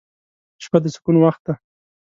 • شپه د سکون وخت دی.